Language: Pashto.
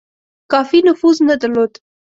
کافي نفوذ نه درلود.